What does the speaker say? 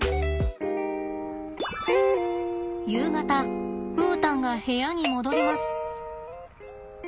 夕方ウータンが部屋に戻ります。